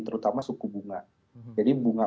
terutama suku bunga jadi bunga